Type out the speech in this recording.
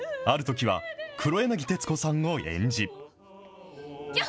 あるときは黒柳徹子さんを演じ。